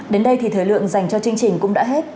đến đây thì thời lượng dành cho chương trình cũng đã hết